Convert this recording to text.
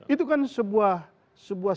itu kan sebuah